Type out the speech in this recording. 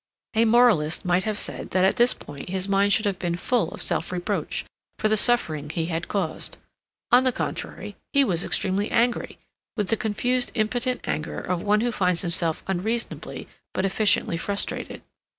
A moralist might have said that at this point his mind should have been full of self reproach for the suffering he had caused. On the contrary, he was extremely angry, with the confused impotent anger of one who finds himself unreasonably but efficiently frustrated.